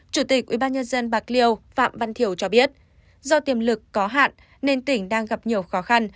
chủ tịch ubnd bạc liêu phạm văn thiểu cho biết do tiềm lực có hạn nên tỉnh đang gặp nhiều khó khăn